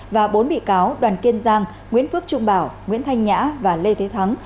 và bốn bị cáo đoàn kiên giang nguyễn phước trung bảo nguyễn thanh nhã và lê thế thắng